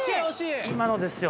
今のですよ。